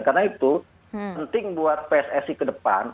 karena itu penting buat pssi ke depan